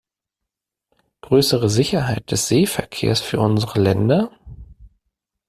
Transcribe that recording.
Größere Sicherheit des Seeverkehrs für unsere Länder?